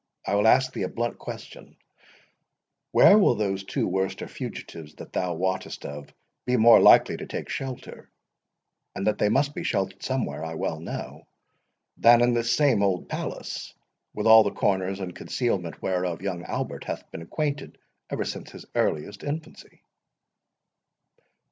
—I will ask thee a blunt question—Where will those two Worcester fugitives that thou wottest of be more likely to take shelter—and that they must be sheltered somewhere I well know—than, in this same old palace, with all the corners and concealment whereof young Albert hath been acquainted ever since his earliest infancy?"